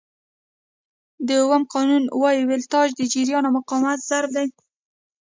د اوم قانون وایي ولټاژ د جریان او مقاومت ضرب دی.